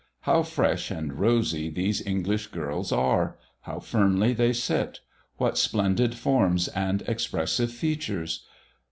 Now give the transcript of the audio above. How fresh and rosy these English girls are! How firmly they sit! What splendid forms and expressive features!